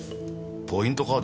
ポイント